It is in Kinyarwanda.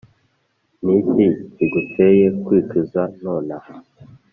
Niki kiguteye kwicuza nonaha